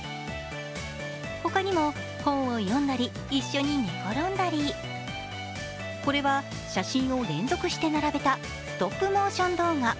ほかにも本を読んだり一緒に寝転んだり、これは写真を連続して並べたストップモーション動画。